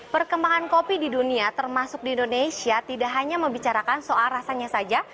perkembangan kopi di dunia termasuk di indonesia tidak hanya membicarakan soal rasanya saja